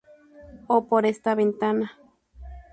O por esta ventana".